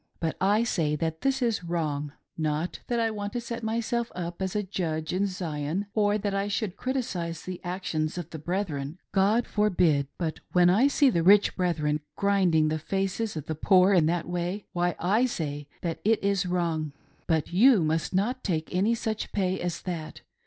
But I say that this is wrong. Not that I want to set myself :up as a judge in Zion, or that I should criticise the actions of the brethren^God forbid ! But when I see the rich brethren grinding the faces of the poor in that way, why, I say that it is wrong. But you must not take any such pay as that.